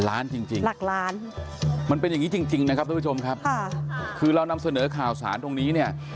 ราณจริงมันเป็นยังงี้จริงนะครับทุกผู้ชมครับคือเรานำเสนอข่าวสารตรงนี้เนี่ย